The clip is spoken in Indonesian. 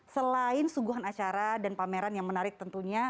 selain sungguhnya acara dan pameran yang benar itnya